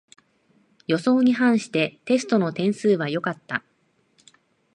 予想に反してテストの点数は良かった